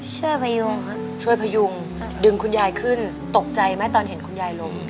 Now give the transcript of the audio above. ช่วยพยุงครับช่วยพยุงดึงคุณยายขึ้นตกใจไหมตอนเห็นคุณยายลง